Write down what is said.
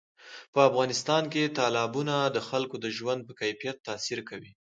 په افغانستان کې تالابونه د خلکو د ژوند په کیفیت تاثیر کوي.